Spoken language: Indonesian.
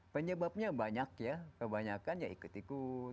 penyebabnya banyak ya kebanyakan ya ikut ikut